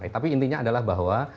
tapi intinya adalah bahwa